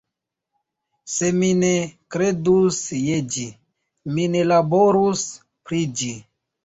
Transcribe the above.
Se mi ne kredus je ĝi, mi ne laborus pri ĝi.